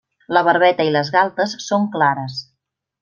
La barbeta i les galtes són clares.